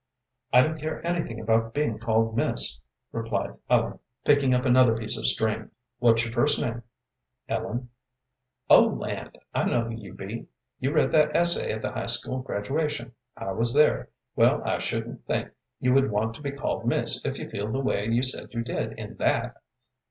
"I don't care anything about being called miss," replied Ellen, picking up another piece of string. "What's your first name?" "Ellen." "Oh, land! I know who you be. You read that essay at the high school graduation. I was there. Well, I shouldn't think you would want to be called miss if you feel the way you said you did in that."